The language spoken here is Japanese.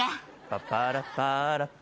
「パパラパラパ」